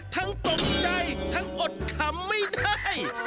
ทั้งตกใจทั้งอดคำไม่ได้